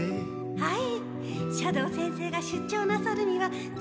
はい。